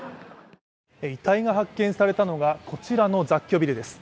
遺体が発見さたのがこちらの雑居ビルです。